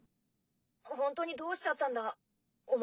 ホントにどうしちゃったんだ？お前。